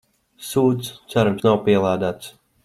Sūds, cerams nav pielādēts.